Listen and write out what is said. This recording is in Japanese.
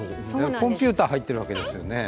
コンピューター入ってるわけですよね。